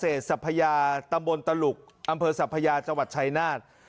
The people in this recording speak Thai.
เห็ดสัพพยาตำบลตะลุกอำเภอสัพพยาจชัยนาศ